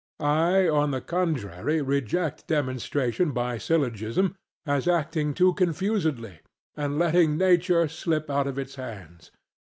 I on the contrary reject demonstration by syllogism, as acting too confusedly, and letting nature slip out of its hands.